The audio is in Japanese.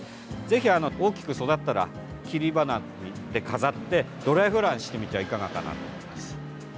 ぜひ、大きく育ったら切り花にして飾ってドライフラワーにしてみてはいかがかなと思います。